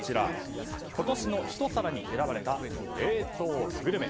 今年の一皿に選ばれた冷凍グルメ。